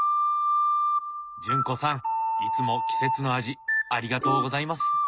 潤子さんいつも季節の味ありがとうございます。